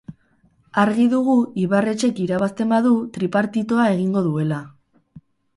Argi dugu ibarretxek irabazten badu, tripartitoa egingo duela.